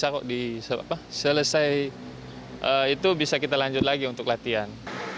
kalau selesai itu bisa kita lanjut lagi untuk latihan